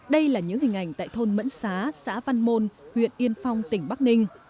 đây là những hình ảnh tại thôn mẫn xá xã văn môn huyện yên phong tỉnh bắc ninh